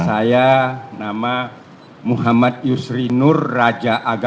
saya nama muhammad yusri nur raja aga